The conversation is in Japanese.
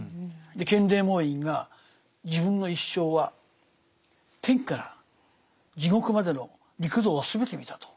建礼門院が自分の一生は天から地獄までの六道は全て見たと。